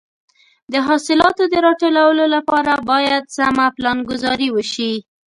د حاصلاتو د راټولولو لپاره باید سمه پلانګذاري وشي.